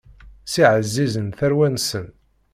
Ssiɛzizen tarwan-nsen.